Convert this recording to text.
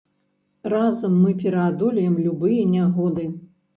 Разам мы пераадолеем любыя нягоды!